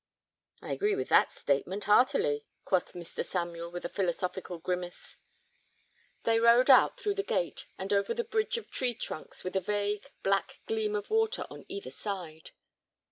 "I agree with that statement, heartily," quoth Mr. Samuel, with a philosophical grimace. They rode out through the gate and over the bridge of tree trunks with a vague, black gleam of water on either side.